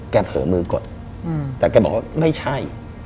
เผลอมือกดแต่แกบอกว่าไม่ใช่